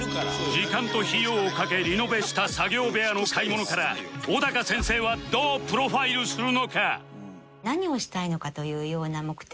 時間と費用をかけリノベした作業部屋の買い物から小高先生はどうプロファイルするのか？